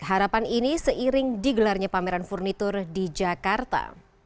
harapan ini seiring digelarnya pameran furnitur di jakarta